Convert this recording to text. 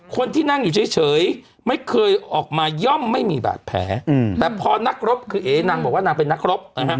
คนที่นั่งอยู่เฉยไม่เคยออกมาย่อมไม่มีบาดแผลแต่พอนักรบคือเอ๋นางบอกว่านางเป็นนักรบนะฮะ